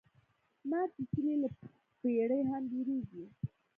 مار چیچلی له پړي هم بېريږي.